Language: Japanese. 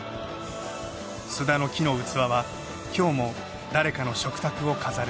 須田の木の器は今日も誰かの食卓を飾る。